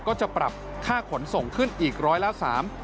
ก็จะปรับค่าขนส่งขึ้นอีก๑๐๓บาท